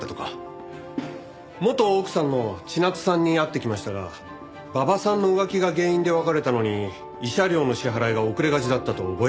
元奥さんの千夏さんに会ってきましたが馬場さんの浮気が原因で別れたのに慰謝料の支払いが遅れがちだったとぼやいていました。